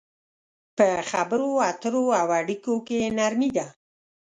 په خبرو اترو او اړيکو کې نرمي ده.